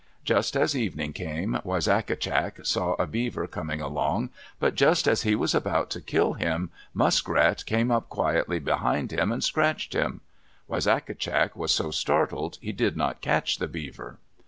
Just as evening came, Wisagatcak saw a beaver coming along, but just as he was about to kill him, Muskrat came up quietly behind him and scratched him. Wisagatcak was so startled he did not catch the beaver.